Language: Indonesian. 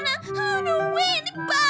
nanti kalau aku dipipisnya gimana